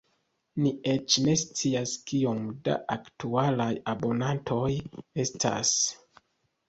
Ni eĉ ne scias kiom da aktualaj abonantoj estas.